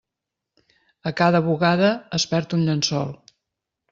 A cada bugada es perd un llençol.